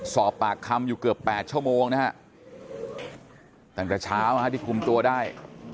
สอบปากคำอยู่เกือบ๘ชั่วโมงนะฮะตั้งแต่เช้าที่คุมตัวได้